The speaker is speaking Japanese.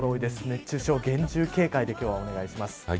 熱中症に厳重警戒で今日は、お願いします。